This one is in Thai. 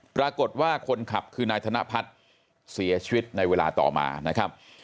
ปรากฏว่าคนขับคือนายธนพัฒน์เสียชีวิตในเวลาต่อมานะครับ